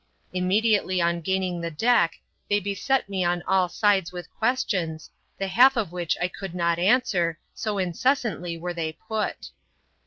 Immediately on gaining the deck, they beset me on all sides with questions, the half of which I could not answer, so incessantly were they put.